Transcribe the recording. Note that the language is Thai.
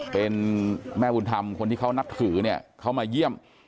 เป็นแม่บุญธรรมคนที่เขานับถือเนี่ยเขามาเยี่ยม